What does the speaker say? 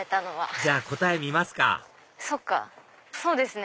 じゃあ答え見ますかそっかそうですね。